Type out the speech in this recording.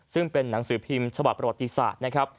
ซึ่งเป็นหนังสือพิมพ์ฉบับประวัติศาสตร์นะครับ